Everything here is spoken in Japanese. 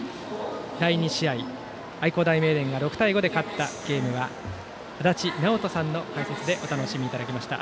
第２試合、愛工大名電が６対５で勝ったゲームは足達尚人さんの解説でお楽しみいただきました。